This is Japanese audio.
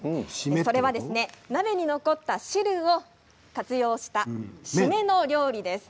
それは鍋に残った汁を活用した締めの料理です。